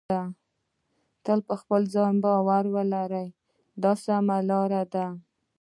تل په خپل ځان باور ولرئ دا سمه لار ده.